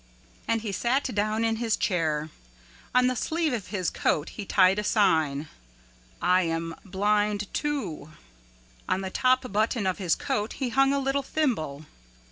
And he sat down in his chair. On the sleeve of his coat he tied a sign, "I Am Blind Too." On the top button of his coat he hung a little thimble.